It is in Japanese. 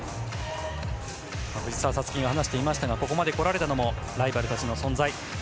藤澤五月が話していましたがここまでこられたのもライバルたちの存在。